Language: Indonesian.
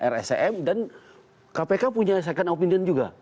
rscm dan kpk punya second opinion juga